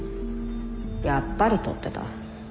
やっぱり撮ってた。